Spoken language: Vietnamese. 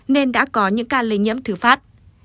nên đã có những ca lây nhiễm thứ phát